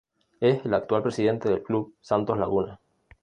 Es el actual Presidente del Club Santos Laguna.